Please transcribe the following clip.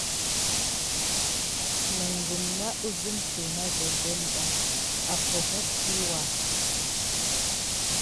Kurum ne sim na zliku na vedem ɓa a barkiwuka.